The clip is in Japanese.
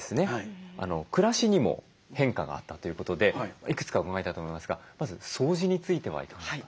暮らしにも変化があったということでいくつか伺いたいと思いますがまず掃除についてはいかがですか？